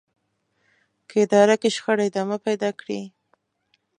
که اداره کې شخړې ادامه پيدا کړي.